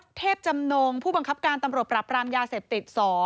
เทพจำนงผู้บังคับการตำรวจปรับรามยาเสพติด๒